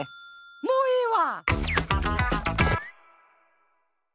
もうええわ！